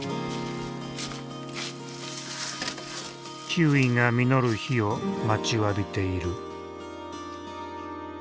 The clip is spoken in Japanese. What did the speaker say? キウイが実る日を待ちわびている。